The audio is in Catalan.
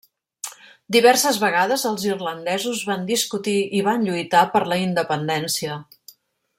Diverses vegades els irlandesos van discutir i van lluitar per la independència.